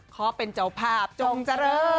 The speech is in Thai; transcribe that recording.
ขอเป็นเจ้าภาพจงเจริญ